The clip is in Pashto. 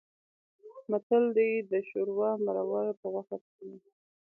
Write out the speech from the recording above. متل دی: د شوروا مرور په غوښه پخلا.